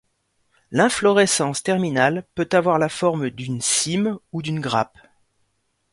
L'inflorescence terminale peut avoir la forme d'une cyme ou d'une grappe.